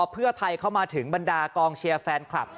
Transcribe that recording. เพื่อไทยเข้ามาถึงบรรดากองเชียร์แฟนคลับ